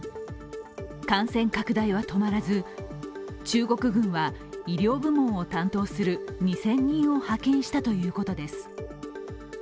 感染拡大は止まらず、中国軍は医療部門を担当する２０００人を派遣したということです。